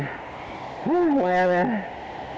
saya akan mencari pengguna yang lebih dari seratus gram